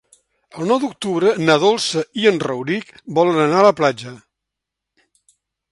El nou d'octubre na Dolça i en Rauric volen anar a la platja.